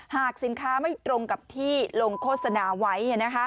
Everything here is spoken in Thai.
หากสินค้าไม่ตรงกับที่ลงโฆษณาไว้